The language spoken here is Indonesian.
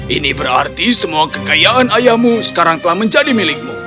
ini berarti semua kekayaan ayahmu sekarang telah menjadi milikmu